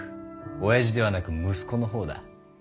おやじではなく息子の方だ。